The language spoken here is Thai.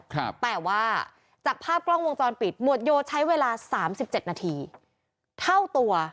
แต่ว่าจากภาพกล้องวงจรปิดหมวดโยใช้เวลา๓๗นาทีเท่าตัว